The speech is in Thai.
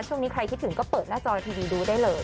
ช่วงนี้ใครคิดถึงก็เปิดหน้าจอทีวีดูได้เลย